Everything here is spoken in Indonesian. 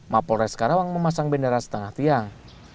mapolres karawang memasang bendera setengah tiang